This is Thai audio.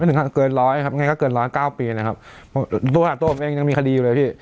ถึงอาจจะเกินร้อยครับยังไงก็เกินร้อยเก้าปีนะครับตัวผมเองยังมีคดีอยู่เลยพี่